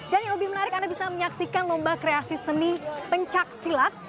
dan yang lebih menarik anda bisa menyaksikan lomba kreasi seni pencak silat